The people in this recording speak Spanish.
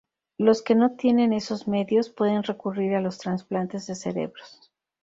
Los que no tienen esos medios pueden recurrir a los trasplantes de cerebros.